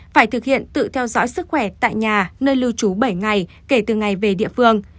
phải thực hiện tự theo dõi sức khỏe tại nhà nơi lưu trú bảy ngày kể từ ngày về địa phương